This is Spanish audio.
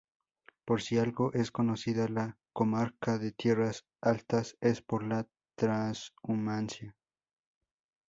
Por si algo es conocida la comarca de Tierras Altas es por la Trashumancia.